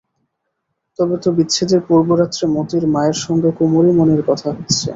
তবে তো বিচ্ছেদের পূর্বরাত্রে মোতির মায়ের সঙ্গে কুমুরই মনের কথা হচ্ছে।